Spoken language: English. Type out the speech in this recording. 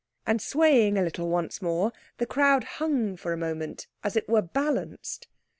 And swaying a little once more, the crowd hung for a moment as it were balanced.